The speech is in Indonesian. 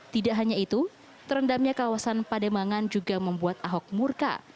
tidak hanya itu terendamnya kawasan pademangan juga membuat ahok murka